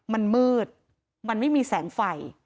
มันมืดมันไม่มีแสงไฟ